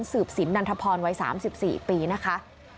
สืบสินนันทพรวัย๓๔ปีนะคะ